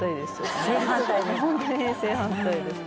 正反対ですか。